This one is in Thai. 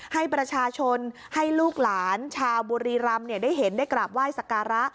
ให้ประชาชนให้ลูกหลานชาวบุรีรำได้เห็นได้กราบไหว้สการะ